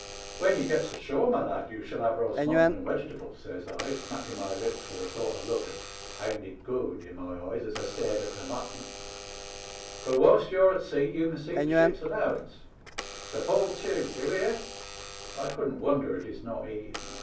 When ye get's ashore, my lad, ye shall have roast mutton and wegetables,' says I, smack ing my lips with a sort of look of * ain't it good ?* in my eyes as I stared at the mutton ;* but whilst you're at sea you must eat the ship's allowance ; so fall tew, d'ye hear ?'But I couldn't wonder at his not eating.